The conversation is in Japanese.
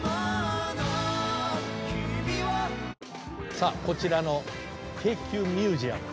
さあこちらの京急ミュージアム。